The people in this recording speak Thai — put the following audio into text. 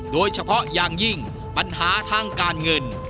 โดยเฉพาะอย่างยิ่งปัญหาทางการเงิน